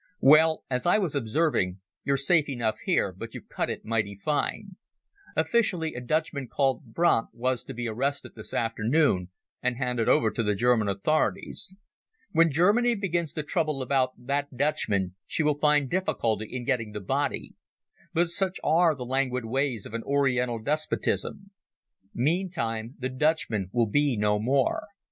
Well, as I was observing, you're safe enough here, but you've cut it mighty fine. Officially, a Dutchman called Brandt was to be arrested this afternoon and handed over to the German authorities. When Germany begins to trouble about that Dutchman she will find difficulty in getting the body; but such are the languid ways of an Oriental despotism. Meantime the Dutchman will be no more.